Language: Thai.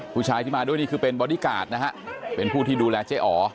ผู้ชายที่มาด้วยนี่คือเป็นบอดี้การ์ดนะฮะเป็นผู้ที่ดูแลเจ๊อ๋อ